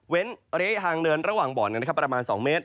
ระยะทางเดินระหว่างบ่อนประมาณ๒เมตร